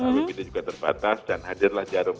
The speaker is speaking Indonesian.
abb juga terbatas dan hadirlah jarum